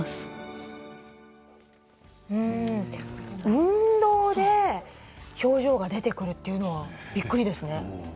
運動で症状が出るということはびっくりですね。